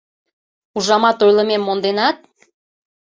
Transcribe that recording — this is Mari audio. Ужамат, ойлымем монденат?